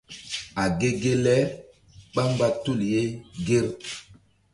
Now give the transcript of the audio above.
A ge ge le ɓá mgba tul ye ŋger.